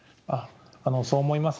そう思います。